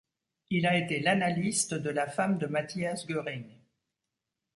Il a été l'analyste de la femme de Matthias Göring.